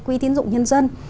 quỹ tiến dụng nhân dân